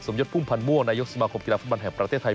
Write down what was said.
สมยดพุ่มพันมั่วในยคสมาคมกีฬาภาคบรรณแห่งประเทศไทย